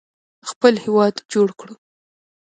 خپل هیواد جوړ کړو.